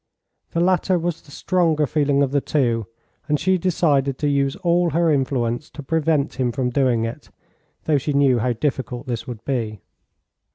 The latter was the stronger feeling of the two, and she decided to use all her influence to prevent him from doing it, though she knew how difficult this would be.